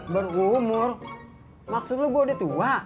berumur maksud lo gue udah tua